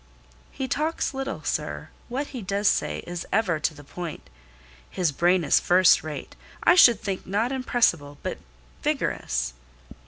"He talks little, sir: what he does say is ever to the point. His brain is first rate, I should think not impressible, but vigorous."